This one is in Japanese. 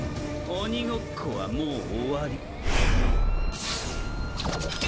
鬼ごっこはもう終わり。